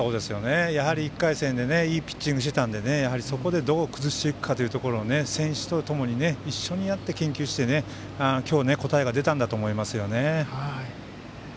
やはり１回戦でいいピッチングしてたんでそこでどう崩していくかということを選手とともに一緒にやって研究して今日、答えが出たんだと思いますよね。